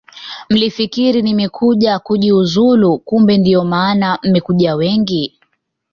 Mlifikiri nimekuja kujiuzulu kumbe ndiyo maana mmekuja wengi